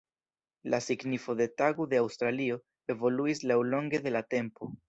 La signifo de Tago de Aŭstralio evoluis laŭlonge de la tempo.